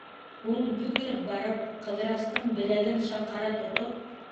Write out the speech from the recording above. Ул, йүгереп барып, Ҡыҙырастың беләген шаҡара тотоп: